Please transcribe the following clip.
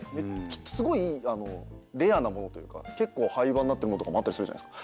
すごいレアなものというか結構廃版になってるものとかもあったりするじゃないですか。